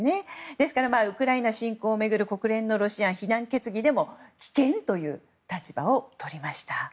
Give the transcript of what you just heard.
ですから、ウクライナ侵攻を巡る国連のロシア非難決議でも棄権という立場をとりました。